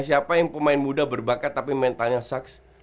siapa yang pemain muda berbakat tapi mentalnya suks